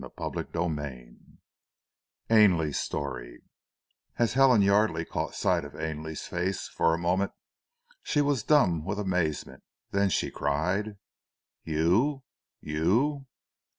CHAPTER XXII AINLEY'S STORY As Helen Yardely caught sight of Ainley's face, for a moment she was dumb with amazement, then she cried: "You? You?"